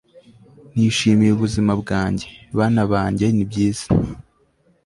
nishimiye ubuzima bwanjye, bana banjye nibyiza